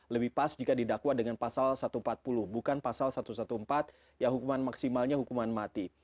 lebih pas jika didakwa dengan pasal satu ratus empat puluh bukan pasal satu ratus empat belas ya hukuman maksimalnya hukuman mati